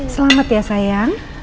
selamat ya sayang